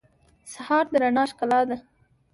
سهار د رڼا ښکلا ده.